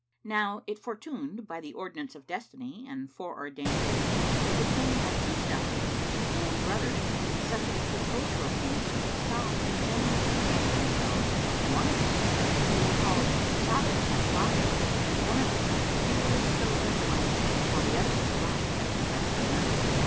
Now it fortuned, by the ordinance of Destiny and fore ordained Fate, that the King had two stallions, own brothers,[FN#551] such as the Chosroe Kings might sigh in vain to possess themselves of one of them; they were called Sábik and Láhik[FN#552] and one of them was pure silvern white while the other was black as the darksome night.